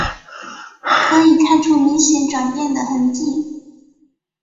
可以看出明显转变的痕迹